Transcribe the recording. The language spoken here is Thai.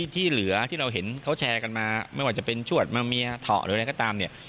ที่เหลือที่เราเห็นเขาแชร์กันมาไม่ว่าจะเป็นชวดมาเมียเถาะหรืออะไรก็ตามเนี่ย